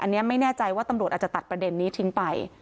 อันนี้ไม่แน่ใจว่าตำรวจอาจจะตัดประเด็นนี้ทิ้งไป